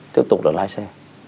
tiếp tục là lái xe